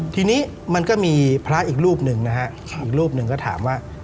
ทีนี้มันก็มีพระอีกรูปหนึ่งนะฮะอีกรูปหนึ่งก็ถามว่า